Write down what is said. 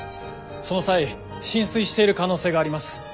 その際浸水している可能性があります。